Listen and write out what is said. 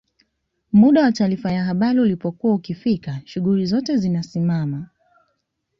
muda wa taarifa ya habari ulipokuwa ukifika shughuli zote zinasimama